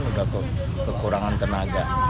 sudah kekurangan tenaga